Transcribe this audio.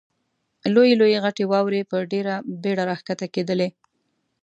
لویې لویې غټې واورې په ډېره بېړه را کښته کېدلې.